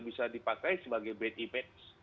bisa dipakai sebagai bad image